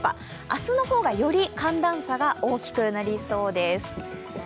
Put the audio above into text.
明日の方がより寒暖差が大きくなりそうです。